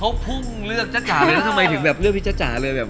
เขาพุ่งเลือกจ๊ะจ๋าเลยแล้วทำไมถึงเลือกพี่จ๊ะจ๋าเลย